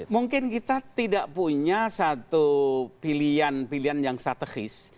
mungkin kita tidak punya satu pilihan pilihan yang strategis